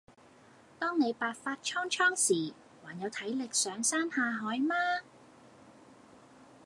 當你白髮蒼蒼時還有體力上山下海嗎？